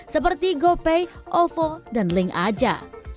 seperti gopay ovo dan link aja